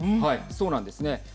そうなんですね。